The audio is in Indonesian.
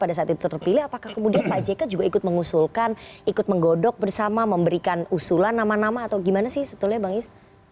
apakah kemudian pak jk juga ikut mengusulkan ikut menggodok bersama memberikan usulan nama nama atau gimana sih sebetulnya bang iskandar